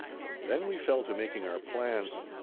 Then we fell to making our plans.